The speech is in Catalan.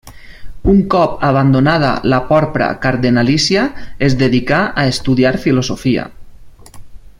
Un cop abandonada la porpra cardenalícia, es dedicà a estudiar filosofia.